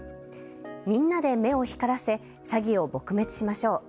みんなで目を光らせ詐欺を撲滅しましょう。